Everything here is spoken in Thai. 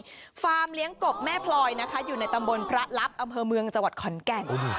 ฟาร์มเลี้ยงกบแม่พลอยนะคะอยู่ในตำบลพระลับอำเภอเมืองจังหวัดขอนแก่น